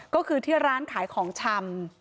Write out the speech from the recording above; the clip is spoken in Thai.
ก็คือที่ร้านขายของชำ